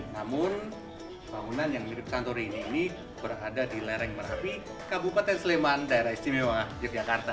namun bangunan yang mirip santorini ini berada di lereng merapi kabupaten sleman daerah istimewa yogyakarta